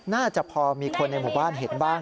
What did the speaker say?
น่าจะพอมีคนในหมู่บ้านเห็นบ้าง